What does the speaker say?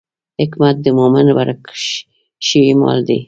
حکمت د مومن ورک شوی مال دی.